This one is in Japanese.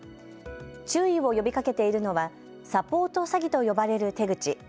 注意を呼びかけているのはサポート詐欺と呼ばれる手口。